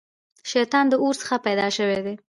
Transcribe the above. شيطان د اور څخه پيدا سوی دی